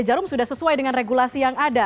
jarum sudah sesuai dengan regulasi yang ada